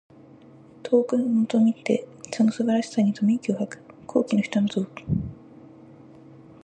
遠くのぞみ見てその素晴らしさにため息を吐く。高貴の人などを敬慕してうらやむこと。